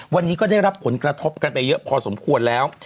วันนี้ก็ได้รับผลกระทบกันไปเยอะพอสมควรแล้ว